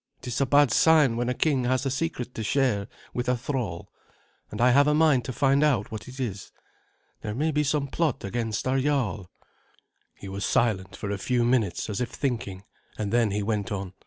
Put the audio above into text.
It is a bad sign when a king has a secret to share with a thrall, and I have a mind to find out what it is. There may be some plot against our jarl." He was silent for a few minutes, as if thinking, and then he went on.